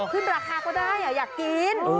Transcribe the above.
ขึ้นราคาก็ได้อยากกิน